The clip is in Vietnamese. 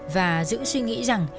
và giữ suy nghĩ rằng